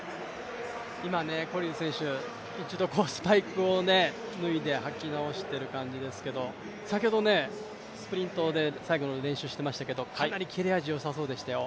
今、コリル選手、一度スパイクを脱いで履き直している感じですけれども、先ほどスプリントで最後の練習をしていましたけど、かなり切れ味、よさそうでしたよ。